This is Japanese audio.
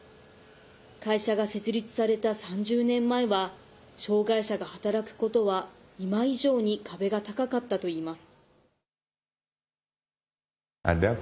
会社が設立された３０年前は障害者が働くことは今以上に壁が高かったといいます。